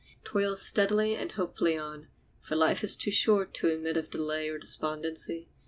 Toil steadily and hopefully on, for life is too short to admit of delay or despondency.